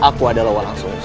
aku adalah walang sungguh